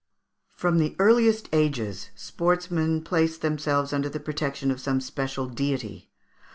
] From the earliest ages sportsmen placed themselves under the protection of some special deity.